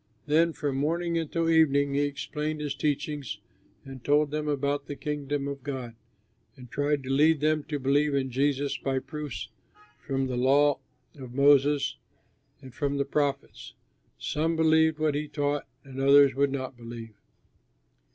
Then from morning until evening he explained his teachings and told them about the Kingdom of God, and tried to lead them to believe in Jesus by proofs from the law of Moses and from the prophets. Some believed what he taught and others would not believe.